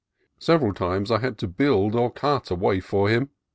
Several times I had to build or cut a way for him.